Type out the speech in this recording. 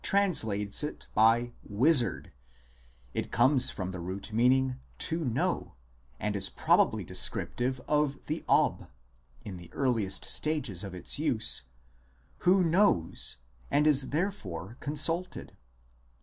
translates it by "wizard" ; it comes from the root meaning " to know," and is probably descriptive of the Ob (in the earliest stage of its use), who " knows," and is therefore consulted.